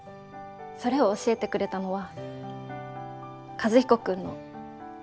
それを教えてくれたのは和彦君のお父さんでした。